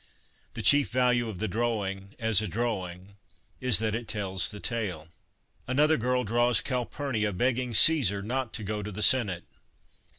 The chief value of the drawing, as a drawing, is that it tells the tale. Another girl draws Calpurnia begging Caesar not to go to the Senate.